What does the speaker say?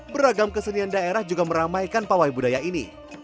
beragam kesenian daerah juga meramaikan pawai budaya ini